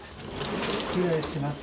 失礼します。